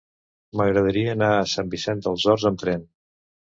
M'agradaria anar a Sant Vicenç dels Horts amb tren.